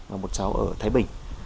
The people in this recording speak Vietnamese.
và một cháu ở thái bình